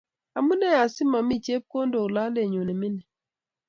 Amune asimomi chepkondok lalenyu ne mining?